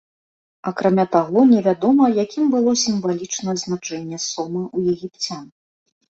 Акрамя таго, невядома, якім было сімвалічна значэнне сома ў егіпцян.